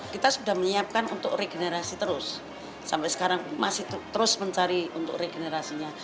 kita sudah menyiapkan untuk regenerasi terus sampai sekarang masih terus mencari untuk regenerasinya